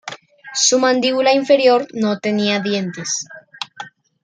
Su mandíbula inferior no tenía dientes.